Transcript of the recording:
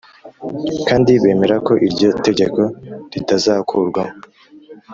Kandi bemera ko iryo tegeko ritazakurwaho